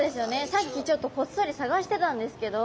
さっきちょっとこっそり探してたんですけど。